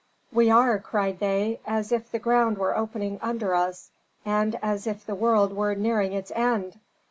"We are," cried they, "as if the ground were opening under us, and as if the world were nearing its end!